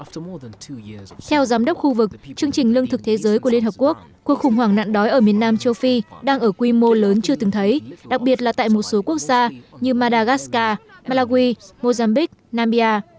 theo giám đốc khu vực chương trình lương thực thế giới của liên hợp quốc cuộc khủng hoảng nạn đói ở miền nam châu phi đang ở quy mô lớn chưa từng thấy đặc biệt là tại một số quốc gia như madagascar malawi mozambique nambia